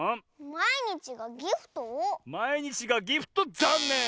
「まいにちがギフト」ざんねん！